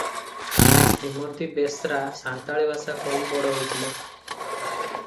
ଶ୍ରୀମତୀ ବେଶ୍ରା ସାନ୍ତାଳୀ ଭାଷା କହି ବଡ଼ ହୋଇଥିଲେ ।